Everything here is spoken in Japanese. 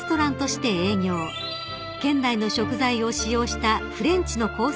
［県内の食材を使用したフレンチのコース